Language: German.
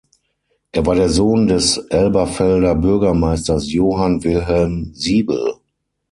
Er war der Sohn des Elberfelder Bürgermeisters Johann Wilhelm Siebel.